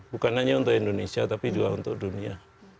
bukan hanya untuk indonesia tapi juga untuk dunia